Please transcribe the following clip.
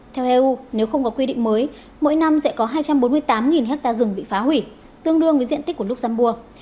theo eu nếu không có quy định mới mỗi năm sẽ có hai trăm bốn mươi tám hectare rừng bị phá hủy tương đương với diện tích của luxembourg